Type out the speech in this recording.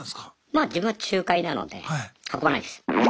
まあ自分は仲介なので運ばないです。